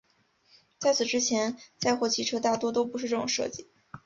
在此之前载货汽车大多都不是这种设计。